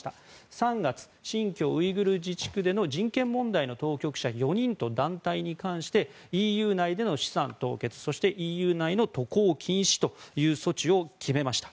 ３月、新疆ウイグル自治区での人権問題の当局者４人と団体に対してＥＵ内での資産凍結ＥＵ内での渡航禁止の措置を決めました。